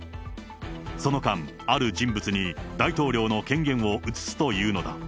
その間、ある人物に大統領の権限を移すというのだ。